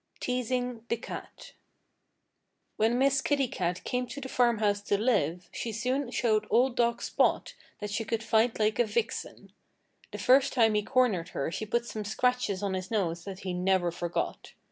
II TEASING THE CAT When Miss Kitty Cat came to the farmhouse to live she soon showed old dog Spot that she could fight like a vixen. The first time he cornered her she put some scratches on his nose that he never forgot.